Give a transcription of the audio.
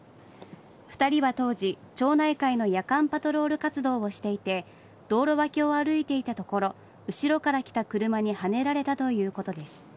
２人は当時、町内会の夜間パトロール活動をしていて道路脇を歩いていたところを後ろから来た車にはねられたということです。